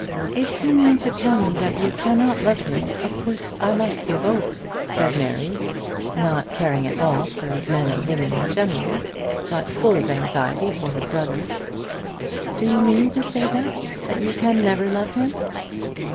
"If you mean to tell me that you cannot love him, of course I must give over," said Mary, not caring at all for men and women in general, but full of anxiety for her brother. "Do you mean to say that, that you can never love him?"